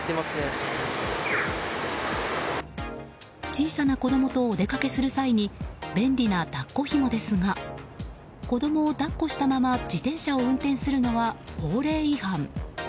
小さな子供とお出かけする際に便利な抱っこひもですが子供を抱っこしたまま自転車を運転するのは法令違反。